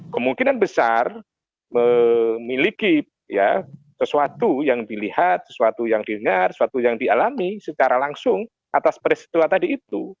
kemungkinan besar memiliki sesuatu yang dilihat sesuatu yang didengar sesuatu yang dialami secara langsung atas peristiwa tadi itu